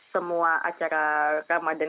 semua acara ramadan